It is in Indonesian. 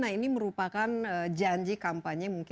ini merupakan janji kampanye